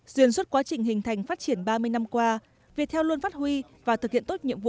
duyên suốt quá trình hình thành phát triển ba mươi năm qua việt theo luôn phát huy và thực hiện tốt nhiệm vụ